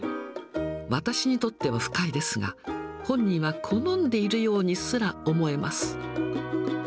私にとっては不快ですが、本人は好んでいるようにすら思えます。